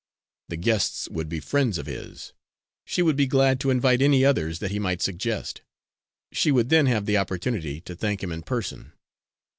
The guests would be friends of his she would be glad to invite any others that he might suggest. She would then have the opportunity to thank him in person.